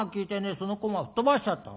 そのこま吹っ飛ばしちゃったの。